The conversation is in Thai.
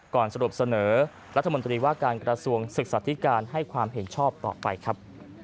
สรุปเสนอรัฐมนตรีว่าการกระทรวงศึกษาธิการให้ความเห็นชอบต่อไปครับ